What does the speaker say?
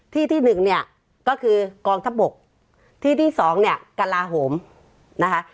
ที่ที่หนึ่งเนี่ยก็คือกองทัพบกที่ที่สองเนี่ยกระลาโหมนะคะ